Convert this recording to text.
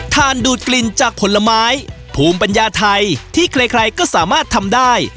ดูดกลิ่นจากผลไม้ภูมิปัญญาไทยที่ใครก็สามารถทำได้